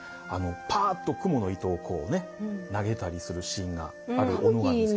パッと蜘蛛の糸をこうね投げたりするシーンがあるものなんですけど。